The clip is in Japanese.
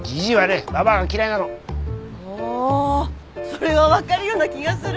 それは分かるような気がする。